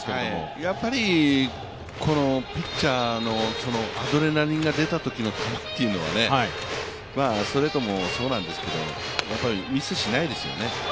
やっぱりピッチャーのアドレナリンが出たときの球というのは、ストレートもそうなんですけど、ミスしないですよね。